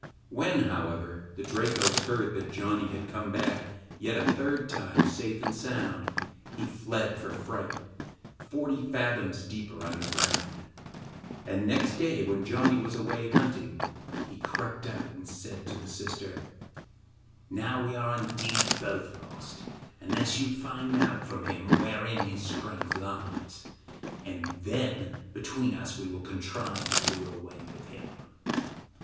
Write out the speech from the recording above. When, however, the Drakos heard that Janni had come back yet a third time safe and sound, he fled for fright forty fathoms deeper underground; and, next day, when Janni was away hunting, he crept out and said to the sister: 'Now are we indeed both lost, unless you find out from him wherein his strength lies, and then between us we will contrive to do away with him.